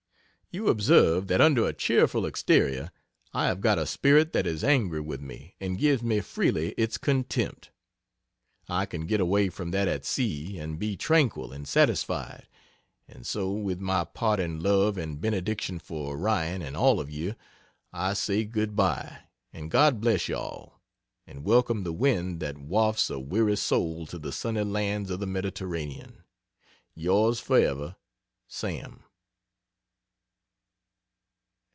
You observe that under a cheerful exterior I have got a spirit that is angry with me and gives me freely its contempt. I can get away from that at sea, and be tranquil and satisfied and so, with my parting love and benediction for Orion and all of you, I say goodbye and God bless you all and welcome the wind that wafts a weary soul to the sunny lands of the Mediterranean! Yrs. Forever, SAM.